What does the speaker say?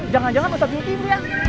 jangan jangan ustaz yuti bro ya